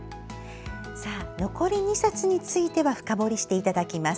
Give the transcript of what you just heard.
残り２冊については深掘りしていただきます。